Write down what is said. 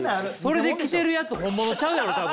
それで来てるやつ本物ちゃうやろ多分。